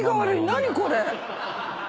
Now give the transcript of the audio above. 何これ⁉